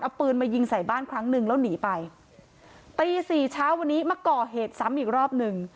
เอาปืนมายิงใส่บ้านครั้งหนึ่งแล้วหนีไปตีสี่เช้าวันนี้มาก่อเหตุซ้ำอีกรอบหนึ่ง